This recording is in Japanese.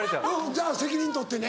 じゃあ責任取ってね。